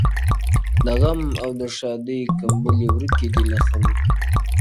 د غم او د ښادۍ کمبلي ورکي دي له خلکو!.